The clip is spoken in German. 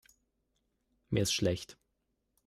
Mir ist schlecht.